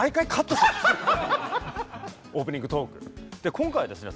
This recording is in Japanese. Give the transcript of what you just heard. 今回はですね